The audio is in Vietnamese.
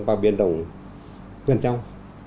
và biển đồng gần trong